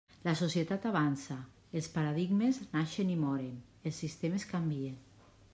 La societat avança, els paradigmes naixen i moren, els sistemes canvien.